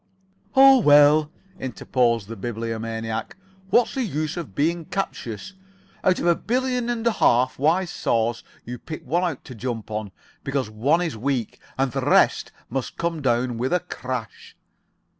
"Oh, well," interposed the Bibliomaniac, "what's the use of being captious? Out of a billion and a half wise saws you pick out one to jump on. Because one is weak, all the rest must come down with a crash."